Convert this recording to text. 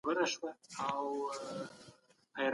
علامه رشاد په خپلو کتابونو کې د وطن مینه څرګنده کړې ده.